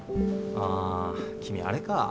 あ君あれか。